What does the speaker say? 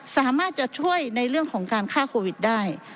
สามารถจะช่วยในเรื่องของการฆ่าโควิดได้